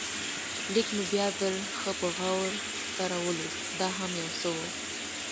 لیک مې بیا ځل ښه په غور سره ولوست، دا هم یو څه و.